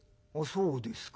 そうですか。